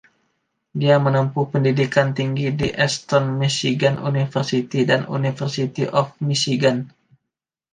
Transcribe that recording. Dia menempuh pendidikan tinggi di Eastern Michigan University dan University of Michigan.